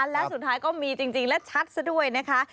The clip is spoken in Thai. และสุดท้ายก็มีจริงและชัดซะด้วยนะคะ